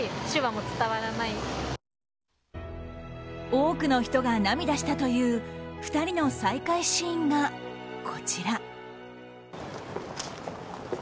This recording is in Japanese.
多くの人が涙したという２人の再会シーンが、こちら。